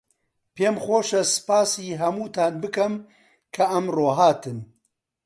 پێم خۆشە سپاسی هەمووتان بکەم کە ئەمڕۆ هاتن.